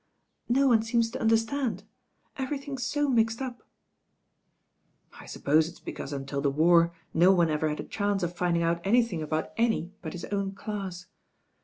"No one seems to understand. Everything's so mixed up." "I suppose it's because until the war no one ever had a chance of finding out anything about any but his own class.